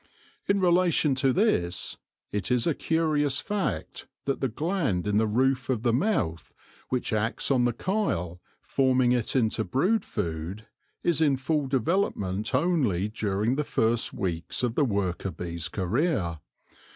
In relation to this, it is a curious fact that the gland in the roof of the mouth, which acts on the chyle, forming it into brood food, is in full development only during the first weeks of the worker bee's career.